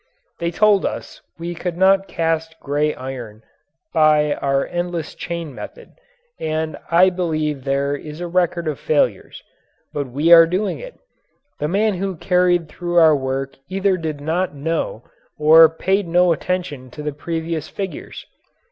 They told us we could not cast gray iron by our endless chain method and I believe there is a record of failures. But we are doing it. The man who carried through our work either did not know or paid no attention to the previous figures.